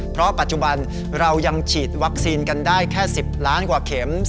เพราะปัจจุบันเรายังฉีดวัคซีนกันได้แค่๑๐ล้านกว่าเข็ม